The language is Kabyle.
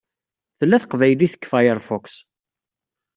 Tella teqbaylit deg Firefox.